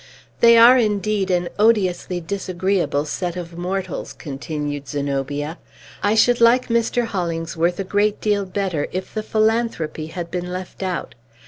"They are, indeed, an odiously disagreeable set of mortals," continued Zenobia. "I should like Mr. Hollingsworth a great deal better if the philanthropy had been left out.